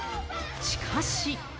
しかし。